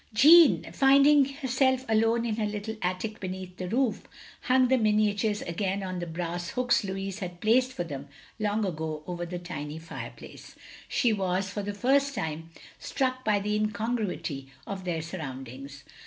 Jeanne finding herself alone in her little attic beneath the roof, htmg the miniatures again on the brass hooks Lotiis had placed for them long ago, over the tiny fireplace. She was for the first time struck by the incongruity of their surroundings.